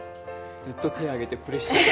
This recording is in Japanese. ずっと手を上げてプレッシャーを。